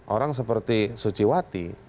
orang seperti suciwati